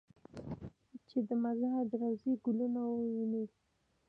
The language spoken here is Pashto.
چې د مزار د روضې ګلونه به ووینې.